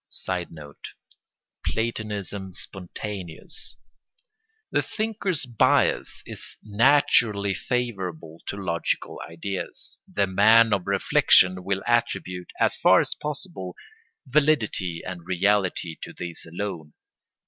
[Sidenote: Platonism spontaneous.] The thinker's bias is naturally favourable to logical ideas. The man of reflection will attribute, as far as possible, validity and reality to these alone.